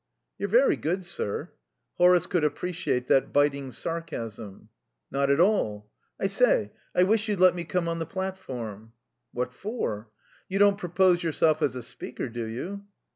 "You're very good, sir." Horace could appreciate that biting sarcasm. "Not at all. I say, I wish you'd let me come on the platform." "What for? You don't propose yourself as a speaker, do you?"